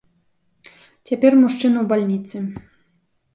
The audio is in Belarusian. Цяпер мужчына ў бальніцы.